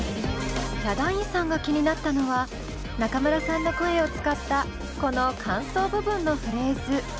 ヒャダインさんが気になったのは中村さんの声を使ったこの間奏部分のフレーズ。